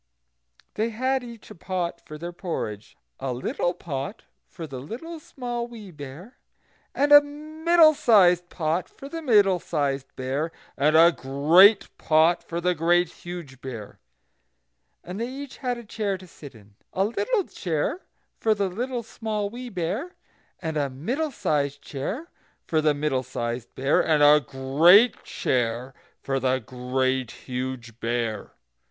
They had each a pot for their porridge, a little pot for the Little Small Wee Bear, and a middle sized pot for the Middle sized Bear, and a great pot for the Great Huge Bear. And they had each a chair to sit in, a little chair for the Little Small Wee Bear, and a middle sized chair for the Middle sized Bear, and a great chair for the Great Huge Bear.